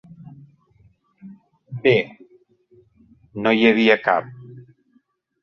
Bé - no hi havia cap.